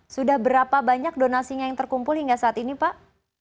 sudah berapa banyak donasinya yang terkumpul hingga saat ini pak